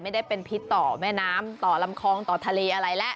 ไม่ได้เป็นพิษต่อแม่น้ำต่อลำคองต่อทะเลอะไรแล้ว